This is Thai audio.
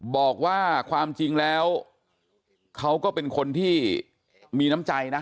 บอกว่าความจริงแล้วเขาก็เป็นคนที่มีน้ำใจนะ